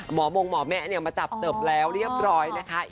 หมอมงหมอแม่มาจับเจิบแล้วเรียบร้อยนะคะ